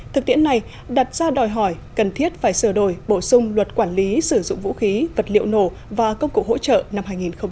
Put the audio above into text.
thực tiễn này đặt ra đòi hỏi cần thiết phải sửa đổi bổ sung luật quản lý sử dụng vũ khí vật liệu nổ và công cụ hỗ trợ năm hai nghìn một mươi ba